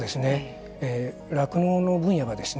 酪農の分野はですね